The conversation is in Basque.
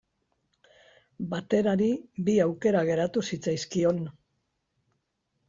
Baterari bi aukera geratu zitzaizkion.